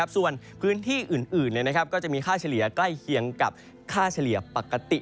ส่วนพื้นที่อื่นก็จะมีค่าเฉลี่ยใกล้เคียงกับค่าเฉลี่ยปกติ